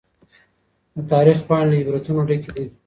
د تاريخ پاڼي له عبرتونو ډکي دي.